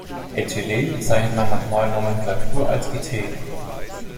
Äthylen bezeichnet man nach neuer Nomenklatur als Ethen.